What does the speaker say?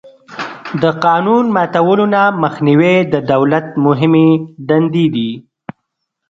د قانون ماتولو نه مخنیوی د دولت مهمې دندې دي.